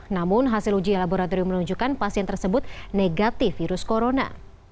namun hasil uji laboratorium menunjukkan pasien tersebut negatif virus corona